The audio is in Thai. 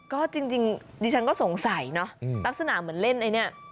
ก็จริงดิฉันก็สงสัยเนอะลักษณะเหมือนเล่นไอ้เนี่ย